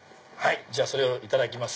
じゃあそれをいただきます。